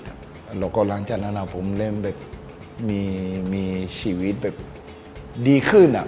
ทีมของผมมีไส้ชีวิตดีขึ้น